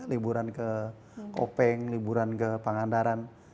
liburan ke kopeng liburan ke pangandaran